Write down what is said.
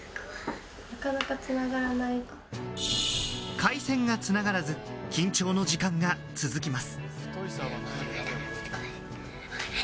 回線がつながらず、緊張の時間が続きます。